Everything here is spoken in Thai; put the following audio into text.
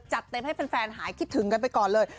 จัดเต็มให้แฟนหายคิดถึงกันไปก่อนเลย